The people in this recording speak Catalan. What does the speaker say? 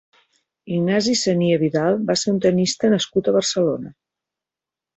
Ignasi Sagnier Vidal va ser un tennista nascut a Barcelona.